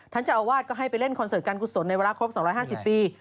เจ้าอาวาสก็ให้ไปเล่นคอนเสิร์ตการกุศลในเวลาครบ๒๕๐ปี